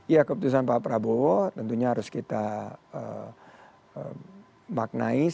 iya keputusan pak prabowo tentunya harus kita maknai sebagai